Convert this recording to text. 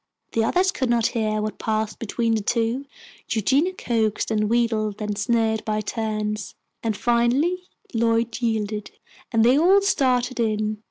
The others could not hear what passed between the two. Eugenia coaxed and wheedled and sneered by turns, and finally Lloyd yielded, and they all started in.